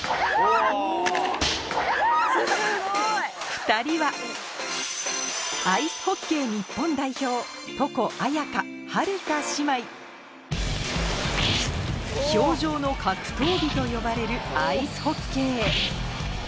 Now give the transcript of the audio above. ２人はアイスホッケー日本代表姉妹「氷上の格闘技」と呼ばれるアイスホッケー